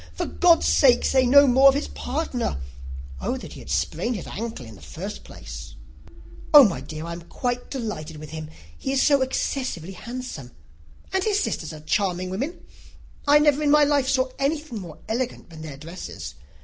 For God's sake, say no more of his partners. O that he had sprained his ancle in the first dance!" "Oh, my dear," continued Mrs. Bennet, "I am quite delighted with him. He is so excessively handsome! and his sisters are charming women. I never in my life saw anything more elegant than their dresses.